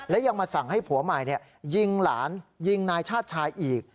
และยังมาสั่งให้ผัวใหม่ยิงหลานยิงนายชาติชายอีก